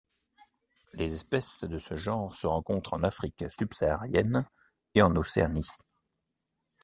Les espèces de ce genre se rencontrent en Afrique subsaharienne et en Océanie.